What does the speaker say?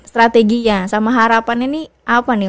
strateginya sama harapan ini apa nih